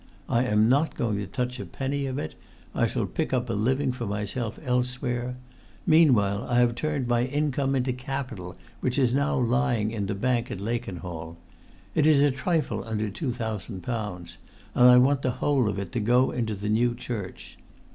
I am not going to touch a penny of it—I shall pick up a living for myself elsewhere. Meanwhile I have turned my income into capital which is now lying in the bank at Laken[Pg 111]hall. It is a trifle under two thousand pounds, and I want the whole of it to go into the new church.